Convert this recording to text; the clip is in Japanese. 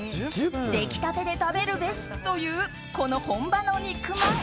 出来たてで食べるべしというこの本場の肉まん。